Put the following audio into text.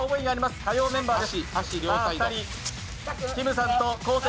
火曜メンバーです。